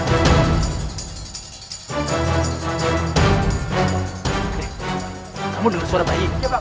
kamu dengar suara bayi